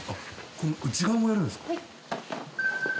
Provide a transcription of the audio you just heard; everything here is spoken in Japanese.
この内側もやるんですか？